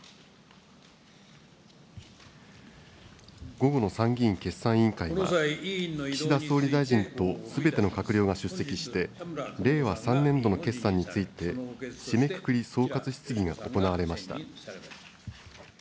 午後の参議院決算委員会は、岸田総理大臣とすべての閣僚が出席して、令和３年度の決算について、締めくくり総括質疑が行われました。